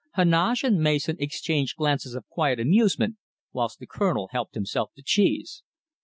Heneage and Mason exchanged glances of quiet amusement whilst the Colonel helped himself to cheese.